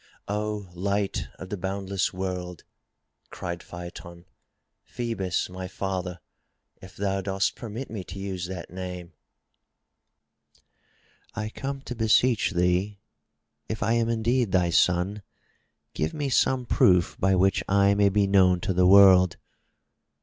"O light of the boundless world!" cried Phaeton. "Phoebus, my father — if thou dost permit me to use that name — I come to be 269 MY BOOK HOUSE seech thee, if I am indeed thy son, give me some proof by which I may be known to the world."